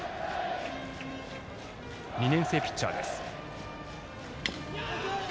２年生ピッチャーです。